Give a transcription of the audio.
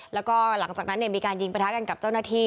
แล้วก็หลังจากนั้นมีการยิงประทะกันกับเจ้าหน้าที่